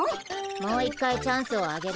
もう一回チャンスをあげる。